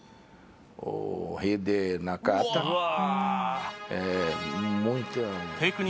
「うわ」